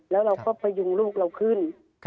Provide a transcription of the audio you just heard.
แล้วเราก็พยุงลูกเราขึ้น